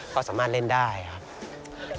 ก็สามารถเล่นได้ครับ